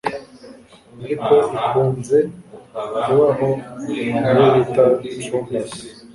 ariko ikunze kubaho ni iyo bita Trombus